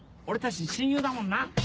俺たち親友だもんな。